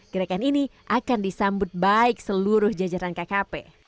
gerakan ini akan disambut baik seluruh jajaran kkp